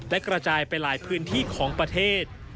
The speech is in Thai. และกระจายไปหลายพื้นที่ของประเทศ